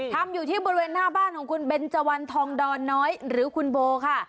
อยู่ที่บริเวณหน้าบ้านของคุณเบนเจวันทองดอนน้อยหรือคุณโบค่ะ